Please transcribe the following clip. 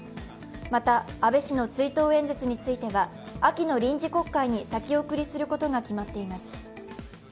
また、安倍氏の追悼演説については秋の臨時国会に先送りすることが決まっています。